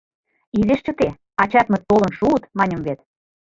Изиш чыте, ачатмыт толын шуыт, маньым вет.